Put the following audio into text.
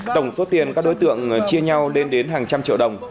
tổng số tiền các đối tượng chia nhau lên đến hàng trăm triệu đồng